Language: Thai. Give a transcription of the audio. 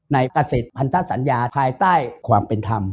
เกษตรพันธสัญญาภายใต้ความเป็นธรรม